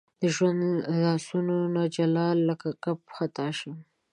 د ژوند لاسونو نه جلانه لکه کب خطا شم